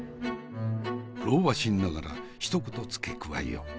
老婆心ながらひと言付け加えよう。